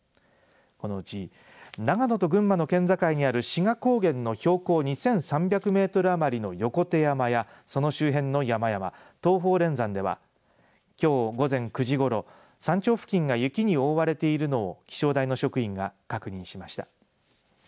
このうち長野と群馬の県境にある志賀高原の標高２３００メートル余りの横手山やその周辺の山々東方連山ではきょう午前９時ごろ山頂付近が雪に覆われているのを気象台の職員が確認しました。